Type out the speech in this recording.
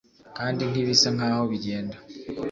kandi ntibisa nkaho bigenda